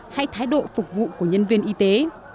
hay thái độ phục vụ của nhân viên y tế